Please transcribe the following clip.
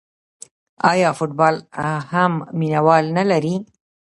آیا فوتبال هم مینه وال نلري؟